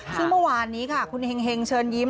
ซึ่งเมื่อวานนี้ค่ะคุณเฮงเชิญยิ้ม